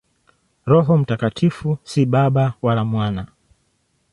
Roho Mtakatifu si Baba wala Mwana.